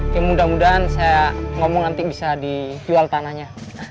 ya mudah mudahan saya ngomong nanti bisa dijual tanahnya